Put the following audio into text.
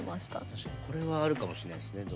確かにこれはあるかもしれないっすね。